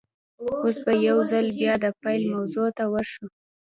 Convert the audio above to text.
اوس به يوځل بيا د پيل موضوع ته ور شو.